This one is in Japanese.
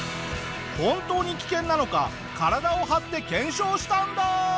本当に危険なのか体を張って検証したんだ。